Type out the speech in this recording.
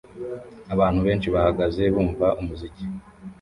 Abantu benshi bahagaze bumva umuziki